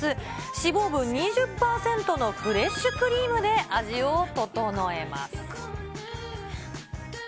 脂肪分２０％のフレッシュクリームで味を調えます。